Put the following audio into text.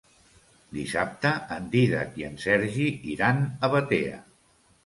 Dissabte en Dídac i en Sergi iran a Batea.